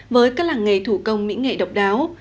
với các làng nghề thủ công mỹ nghệ độc đáo